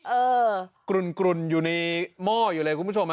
เออกรุ่นกรุ่นอยู่ในหม้ออยู่เลยคุณผู้ชมอ่ะ